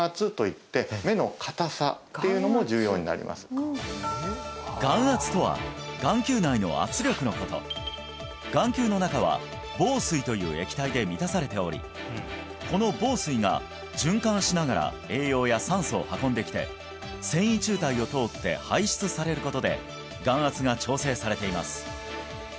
これそれによって眼圧とは眼球内の圧力のこと眼球の中は房水という液体で満たされておりこの房水が循環しながら栄養や酸素を運んできて線維柱帯を通って排出されることで眼圧が調整されています